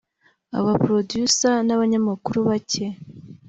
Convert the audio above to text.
aba Producers n’abanyamakuru bake [